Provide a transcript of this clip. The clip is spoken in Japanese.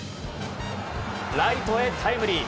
ライトへタイムリー。